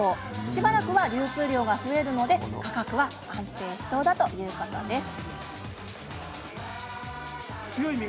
しばらくは流通量が増えるので価格は安定しそうです。